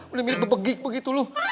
udah mirip bebegik begitu lo